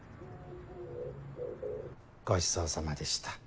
ごちそうさまでした。